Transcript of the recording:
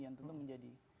yang tentu menjadi